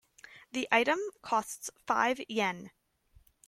The item costs five Yen.